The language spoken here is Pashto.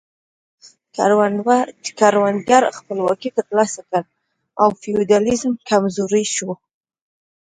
کروندګرو خپلواکي ترلاسه کړه او فیوډالیزم کمزوری شو.